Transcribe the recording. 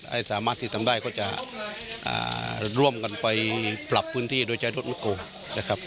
สามารถที่ทำได้ก็จะร่วมกันไปปรับพื้นที่โดยใช้รถมันคงนะครับ